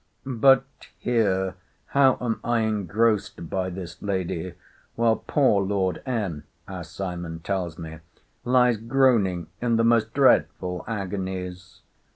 But here, how am I engrossed by this lady, while poor Lord M. as Simon tells me, lies groaning in the most dreadful agonies!